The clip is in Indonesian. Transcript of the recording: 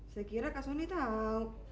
saya kira kak soni tahu